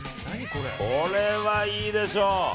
これはいいでしょう。